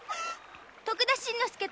徳田新之助か。